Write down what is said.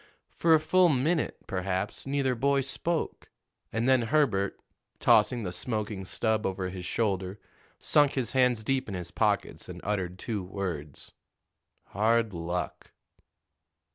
For a full minute, perhaps, neither boy spoke; and then Herbert, tossing the smoking stub over his shoulder, sunk his hands deep in his pockets and uttered two words: "Hard luck."